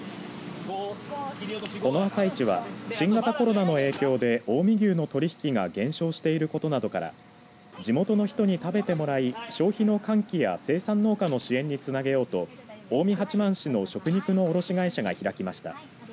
この朝市は新型コロナの影響で近江牛の取引が減少していることなどから地元の人に食べてもらい消費の喚起や生産農家の支援につなげようと近江八幡市の食肉の卸会社が開きました。